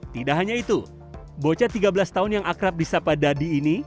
tidak hanya itu bocah tiga belas tahun yang akrab di sapa dadi ini